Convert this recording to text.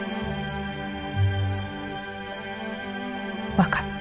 分かった。